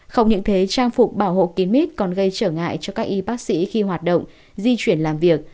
không những thế trang phục bảo hộ kín mít còn gây trở ngại cho các y bác sĩ khi hoạt động di chuyển làm việc